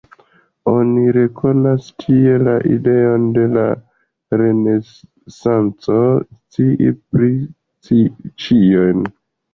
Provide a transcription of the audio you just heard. Oni rekonas tie la ideon de la Renesanco, scii pri ĉion.